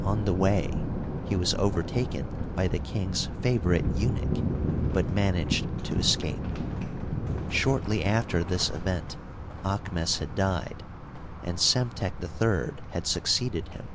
On the way he was overtaken by the king's favorite eu nuch, but managed to escape. Shortly alter this event Aahmes had di^, and Psemtek III had succeeded him.